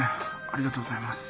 ありがとうございます。